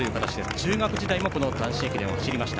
中学時代も男子駅伝を走りました。